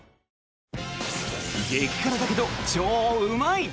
激辛だけど超うまい！